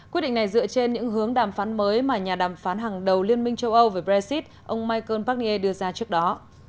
quyết định này dựa trên những hướng đàm phán mới mà nhà đàm phán hàng đầu liên minh châu âu về brexit ông michael barnier đưa ra trước đó